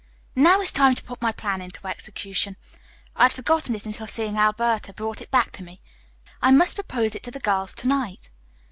"Now is the time to put my plan into execution. I had forgotten it until seeing Alberta brought it back to me. I must propose it to the girls to night."